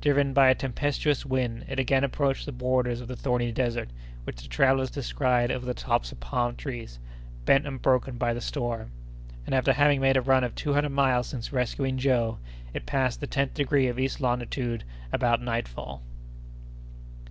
Driven by a tempestuous wind, it again approached the borders of the thorny desert, which the travellers descried over the tops of palm trees, bent and broken by the storm; and, after having made a run of two hundred miles since rescuing Joe, it passed the tenth degree of east longitude about nightfall.